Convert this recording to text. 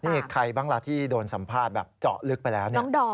นี่ใครบ้างล่ะที่โดนสัมภาษณ์แบบเจาะลึกไปแล้วเนี่ย